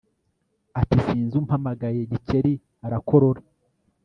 Ati « sinzi umpamagaye » Gikeli arakorora